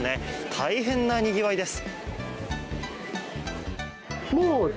大変なにぎわいです。